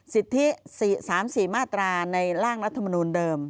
สิทธิ๓๔มาตราในร่างรัฐมนูลเดิม